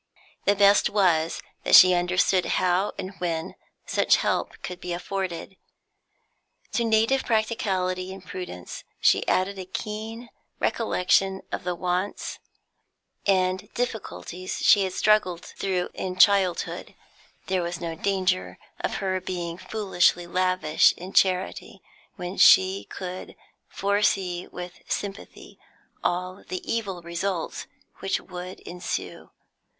The best was that she understood how and when such help could be afforded. To native practicality and prudence she added a keen recollection of the wants and difficulties she had struggled through in childhood; there was no danger of her being foolishly lavish in charity, when she could foresee with sympathy all the evil results which would ensue.